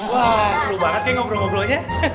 wah selu banget ya ngobrol ngobrolnya